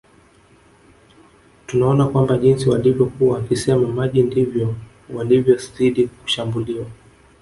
Tunaona kwamba jinsi walivyokuwa wakisema maji ndivyo walivyozidi kushambuliwa